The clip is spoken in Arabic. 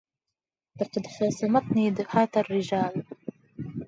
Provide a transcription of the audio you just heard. لقد خاصمتني دهاة الرجال